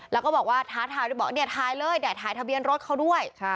แล้วก็บอกว่าท้าทายด้วยบอกเนี่ยถ่ายเลยเนี่ยถ่ายทะเบียนรถเขาด้วย